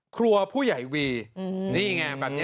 ครัวผู้ใหญ่วีนี่ไงแบบนี้